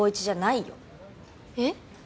えっ？